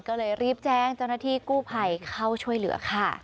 ก็เลยรีบแจ้งเจ้าหน้าที่กู้ภัยเข้าช่วยเหลือค่ะ